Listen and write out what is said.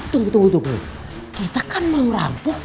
tunggu tunggu tunggu kita kan mau rampok